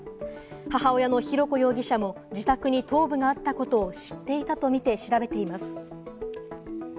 母親の浩子容疑者も自宅に頭部があったことを知っていたとみて調べています。